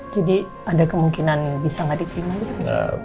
jadi ada kemungkinan bisa nggak diterima gitu